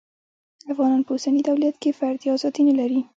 افغانان په اوسني دولت کې فردي ازادي نلري